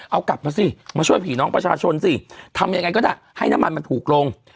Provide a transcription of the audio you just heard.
เอากลับมาสิมาช่วยผีน้องประชาชนสิทำยังไงก็ได้ให้น้ำมันมันถูกลง